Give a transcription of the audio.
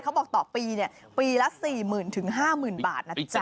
เขาบอกต่อปีเนี่ยปีละ๔๐๐๐๐ถึง๕๐๐๐๐บาทนะจ๊ะ